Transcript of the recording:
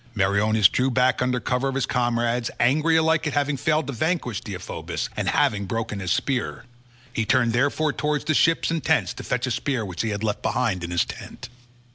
Meriones drew back under cover of his comrades, angry alike at having failed to vanquish Deiphobus, and having broken his spear. He turned therefore towards the ships and tents to fetch a spear which he had left behind in his tent.